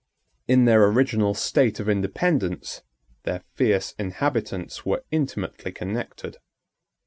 In their original state of independence, their fierce inhabitants were intimately connected.